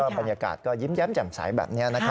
บรรยากาศก็ยิ้มแย้มแจ่มใสแบบนี้นะครับ